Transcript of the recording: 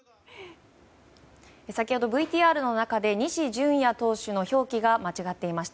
先ほどＶＴＲの中で西純矢投手の表記が間違っていました。